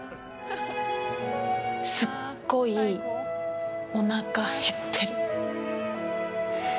すごい、おなか減ってる。